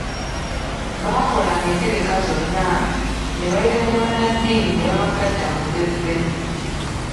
Baakolanga entegeka zonna, ne bayita ne bannaddiini ne babagatta mu lugezigezi.